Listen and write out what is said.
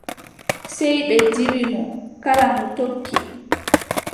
Sey ɓe ndiiwi mo. Kala mo o tokki.